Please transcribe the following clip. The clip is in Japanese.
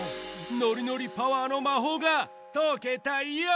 ノリノリパワーのまほうがとけたヨー！